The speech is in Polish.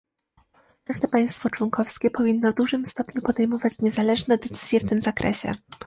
Każde państwo członkowskie powinno w dużym stopniu podejmować niezależne decyzje w tym zakresie